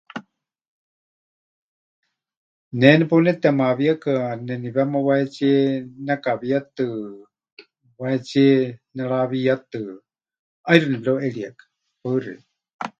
Ne nepeunetemaawieka neniwéma wahetsíe nekawietɨ, wahetsíe nerawiyatɨ, ʼaixɨ nepɨreuʼerieka. Paɨ xeikɨ́a.